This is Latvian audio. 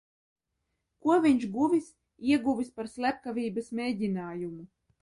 Ko viņš guvis, ieguvis par slepkavības mēģinājumu.